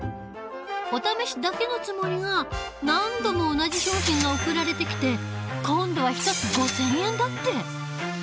お試しだけのつもりが何度も同じ商品が送られてきて今度は１つ５，０００円だって！